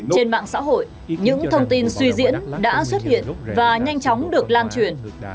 trên mạng xã hội những thông tin suy diễn đã xuất hiện và nhanh chóng được lan truyền